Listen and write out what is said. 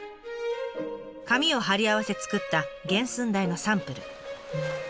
紙を張り合わせ作った原寸大のサンプル。